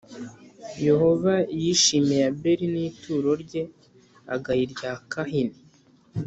Yehova yishimiye Abeli n ituro rye agaya irya kahini